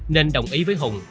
nên đồng ý với hùng